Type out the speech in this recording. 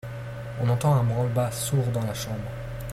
On entend un branle-bas sourd dans la chambre.